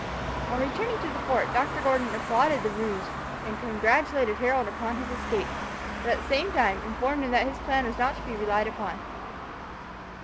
On returning to the fort, Dr. Gordon applauded the ruse, and congratulated Harold upon his escape; but, at the same time, informed him that his plan was not to be relied upon.